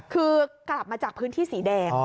คือกลับมาจากพื้นที่สีแดง